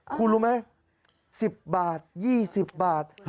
คุณรู้ไหม๑๐บาท๒๐บาท๕๐บาท